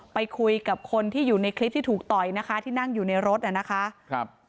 ไปคุยกับคนที่อยู่ในคลิปที่ถูกต่อยนะคะที่นั่งอยู่ในรถน่ะนะคะครับ